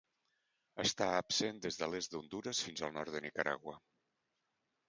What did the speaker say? Està absent des de l'est d'Hondures fins al nord de Nicaragua.